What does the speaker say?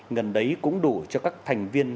ngần đấy cũng đủ cho các thành viên